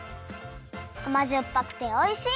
あまじょっぱくておいしい！